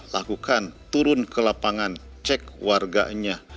lakukan turun ke lapangan cek warganya